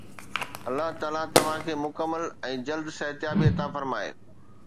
الله تعاليٰ توهان کي مڪمل ۽ جلد صحتيابي عطا فرمائي.